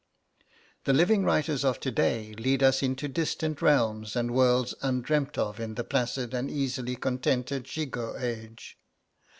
The living writers of to day lead us into distant realms and worlds undreamt of in the placid and easily contented gigot age.